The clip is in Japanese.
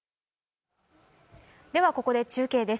ここで中継です。